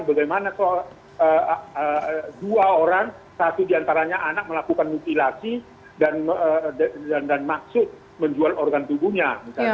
bagaimana dua orang satu diantaranya anak melakukan mutilasi dan maksud menjual organ tubuhnya